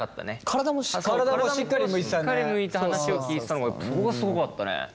体もしっかり向いて話を聞いてたのがそこがすごかったね。